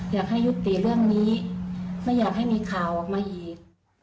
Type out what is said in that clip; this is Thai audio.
อยากให้ยุติเรื่องนี้ไม่อยากให้มีข่าวออกมาอีก